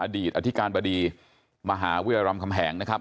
อดีตอธิการบดีมหาวิทยาลำคำแหงนะครับ